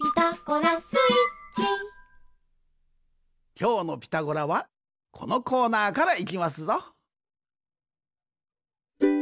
きょうの「ピタゴラ」はこのコーナーからいきますぞ。